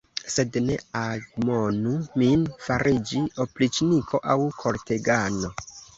Sed ne admonu min fariĝi opriĉniko aŭ kortegano.